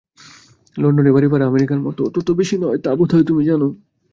লণ্ডনে বাড়ীভাড়া আমেরিকার মত তত বেশী নয়, তা বোধ হয় তুমি জান।